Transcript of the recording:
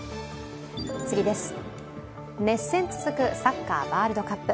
熱戦続くサッカーワールドカップ。